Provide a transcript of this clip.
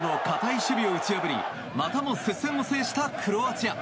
モロッコの堅い守備を打ち破りまたも接戦を制したクロアチア。